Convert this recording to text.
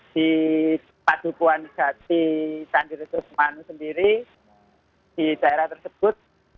di padukuan gati sandirusus manu sendiri di daerah tersebut